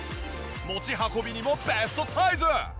持ち運びにもベストサイズ！